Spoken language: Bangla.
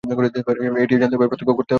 এইটি জানতে হবে, প্রত্যক্ষ করতে হবে।